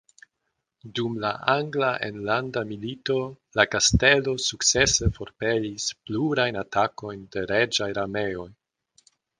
Dum la angla enlanda milito la kastelo sukcese forpelis plurajn atakojn de reĝaj armeoj.